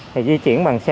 thì di chuyển bằng xe